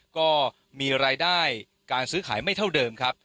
ก็มีรายได้การซื้อขายไม่เท่าเดิมครับ